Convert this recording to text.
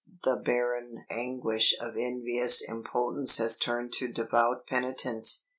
The barren anguish of envious impotence has turned to devout penitence.